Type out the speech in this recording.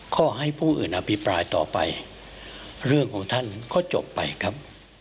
ขอให้ผู้อื่นอภิปรายต่อไปเรื่องของท่านก็จบไปครับ